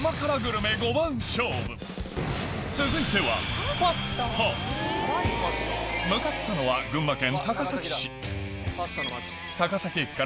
続いては向かったのはすごい。